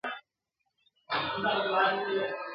که امریکا ده که انګلستان دی !.